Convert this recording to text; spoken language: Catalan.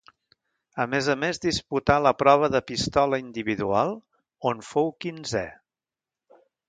A més a més disputà la prova de pistola individual, on fou quinzè.